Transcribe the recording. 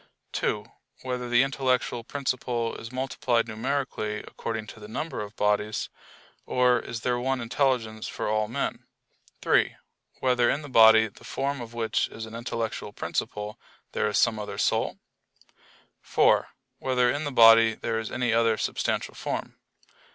(2) Whether the intellectual principle is multiplied numerically according to the number of bodies; or is there one intelligence for all men? (3) Whether in the body the form of which is an intellectual principle, there is some other soul? (4) Whether in the body there is any other substantial form?